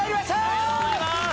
ありがとうございます！